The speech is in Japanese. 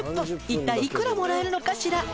いったい幾らもらえるのかしら？